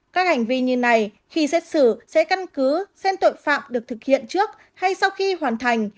các hành vi như này khi xét xử sẽ căn cứ xem tội phạm được thực hiện trước hay sau khi hoàn thành